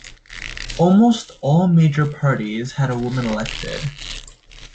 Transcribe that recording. Almost all major parties had a woman elected.